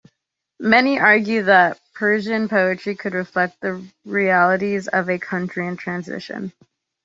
Many argued that Persian poetry should reflect the realities of a country in transition.